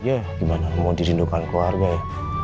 ya gimana mau dirindukan keluarga ya